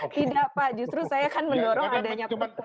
tidak pak justru saya kan mendorong adanya